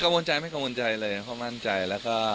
ว่ามีความกังวลใจเลย